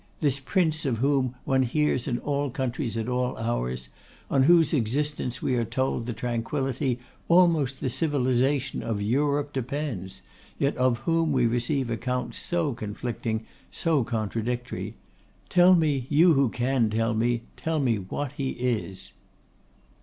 This Prince of whom one hears in all countries at all hours; on whose existence we are told the tranquillity, almost the civilisation, of Europe depends, yet of whom we receive accounts so conflicting, so contradictory; tell me, you who can tell me, tell me what he is.